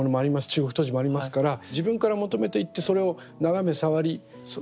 中国陶磁もありますから自分から求めていってそれを眺め触りそれをこう吸収していく。